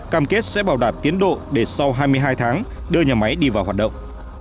cam kết sẽ bảo đảm tiến độ để sau hai mươi hai tháng đưa nhà máy đi vào hoạt động